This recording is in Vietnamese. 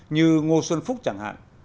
như ngô xuân phúc chẳng hạn